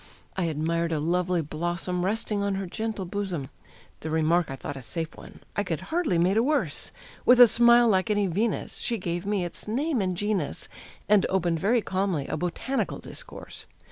I admired a lovely blossom resting on her gentle bosom; The remark I thought a safe one I could hardly made a worse; With a smile like any Venus, she gave me its name and genus, And opened very calmly a botanical discourse.